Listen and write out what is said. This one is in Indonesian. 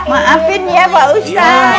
maafin ya pak ustadz